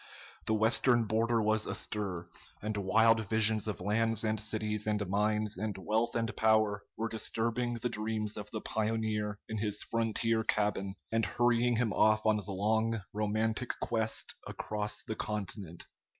The Western border was astir, and wild visions of lands and cities and mines and wealth and power were disturbing the dreams of the pioneer in his frontier cabin, and hurrying him off on the long, romantic quest across the continent.